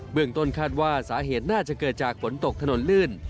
เมืองต้นคาดว่าสาเหตุน่าจะเกิดจากฝนตกถนนลื่น